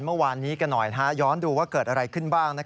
เมื่อวานนี้กันหน่อยย้อนดูว่าเกิดอะไรขึ้นบ้าง